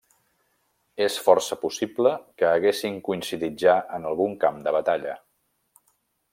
És força possible que haguessin coincidit ja en algun camp de batalla.